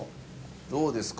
どうですか？